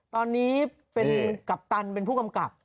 ตอนนี้เป็นกัปตันเป็นผู้กำกับ